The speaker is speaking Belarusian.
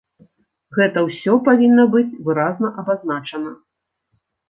Гэта ўсё павінна быць выразна абазначана.